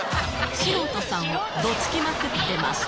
素人さんをド突きまくってました。